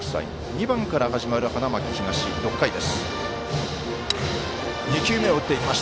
２番から始まる花巻東、６回です。